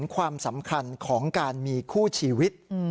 ความสำคัญของการมีคู่ชีวิต